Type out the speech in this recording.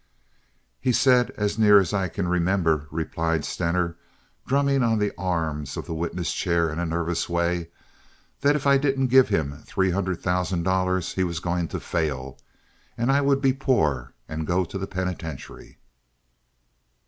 "He said, as near as I can remember," replied Stener, drumming on the arms of the witness chair in a nervous way, "that if I didn't give him three hundred thousand dollars he was going to fail, and I would be poor and go to the penitentiary."